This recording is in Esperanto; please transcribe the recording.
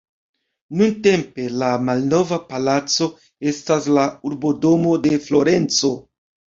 Nuntempe la "Malnova Palaco" estas la urbodomo de Florenco.